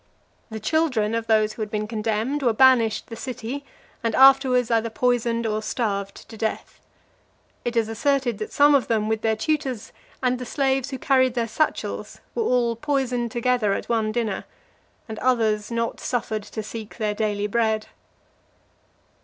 The children of those who had been condemned, were banished the city, and afterwards either poisoned or starved to death. It is asserted that some of them, with their tutors, and the slaves who carried their satchels, were all poisoned together at one dinner; and others not suffered to seek their daily bread.